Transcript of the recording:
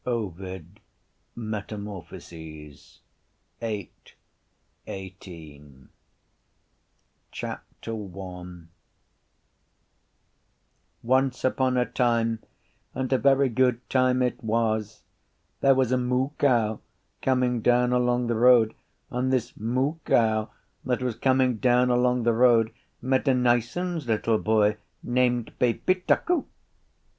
”_ Ovid, Metamorphoses, VIII., 18. Chapter I Once upon a time and a very good time it was there was a moocow coming down along the road and this moocow that was coming down along the road met a nicens little boy named baby tuckoo....